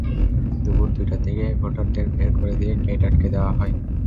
দুপুর দুইটার দিকে ভোটারদের বের করে দিয়ে গেট আটকে দেওয়া হয়।